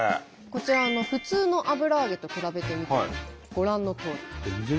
こちら普通の油揚げと比べてみてもご覧のとおり。